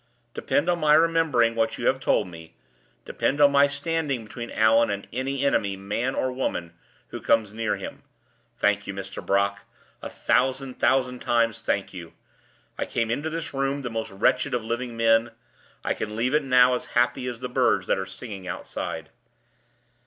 Depend on my remembering what you have told me; depend on my standing between Allan and any enemy, man or woman, who comes near him. Thank you, Mr. Brock; a thousand thousand times, thank you! I came into this room the most wretched of living men; I can leave it now as happy as the birds that are singing outside!"